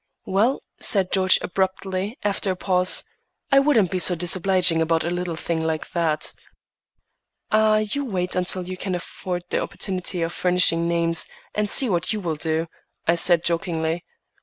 "Well," said George abruptly, after a pause, "I wouldn't be so disobliging about a little thing like that." "Ah! you wait until you can afford the opportunity of furnishing names, and see what you will do," I said jokingly.